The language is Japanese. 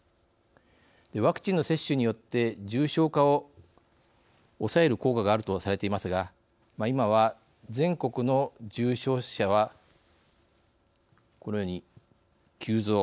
ワクチンの接種によって重症化を抑える効果があるとされていますが今は全国の重症者はこのように急増。